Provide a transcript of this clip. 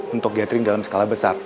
untuk gathering dalam skala besar